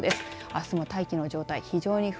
あすも大気の状態